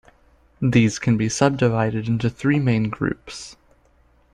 These can be subdivided into three main groups.